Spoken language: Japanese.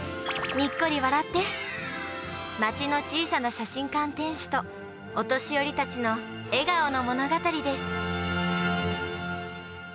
にっこり笑って、町の小さな写真館店主と、お年寄りたちの笑顔の物語です。